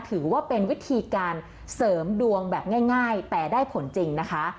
ถือว่าเป็นวิธีการเสริมดวงแบบง่ายแต่ได้ผลจริงนะคะ